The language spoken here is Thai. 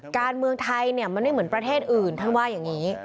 การเมืองไทยมันไม่เหมือนประเทศอื่นท่านว่าอย่างนี้